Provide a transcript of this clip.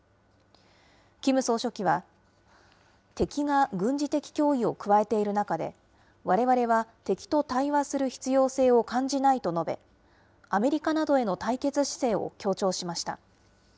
キム総書記は、敵が軍事的脅威を加えている中で、われわれは敵と対話する必要性を感じないと述べ、アメリカなどへの対決姿勢を強調しました。